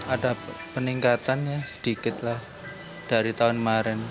ada peningkatan sedikit dari tahun kemarin